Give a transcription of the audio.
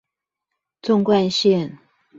縱貫線